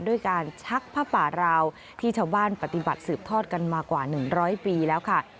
ด้วยการชักผ้าป่าราวที่ชาวบ้านปฏิบัติสืบทอดกันมากว่า๑๐๐ปีแล้วค่ะ